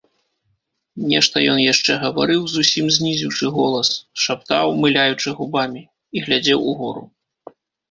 Нешта ён яшчэ гаварыў, зусім знізіўшы голас, шаптаў, мыляючы губамі, і глядзеў угору.